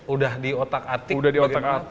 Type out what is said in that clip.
udah di otak atik